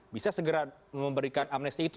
bisa segera memberikan amnesti itu